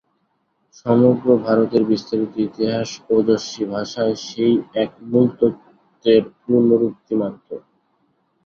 সমগ্র ভারতের বিস্তারিত ইতিহাস ওজস্বী ভাষায় সেই এক মূল তত্ত্বের পুনরুক্তিমাত্র।